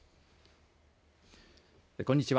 こんにちは。